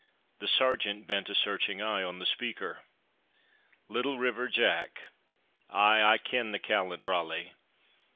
The Sergeant bent a searching eye on the speaker. "'Little River Jack,' ay, I ken the callant brawly.